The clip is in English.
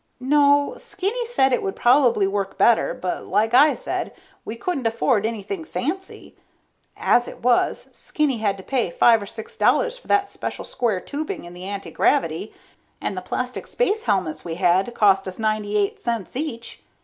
No, Skinny said it would probably work better, but like I said, we couldn't afford anything fancy. As it was, Skinny had to pay five or six dollars for that special square tubing in the antigravity, and the plastic space helmets we had cost us ninety eight cents each.